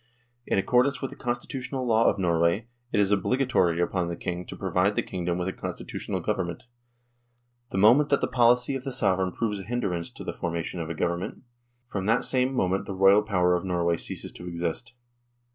" In accordance with the Constitutional Law of Norway, it is obligatory upon the King of Norway to provide the kingdom with a constitutional Govern ment. The moment that the policy of the Sovereign THE DISSOLUTION OF THE UNION 109 proves a hindrance to the formation of a Government, from that same moment the Royal power of Norway ceases to exist.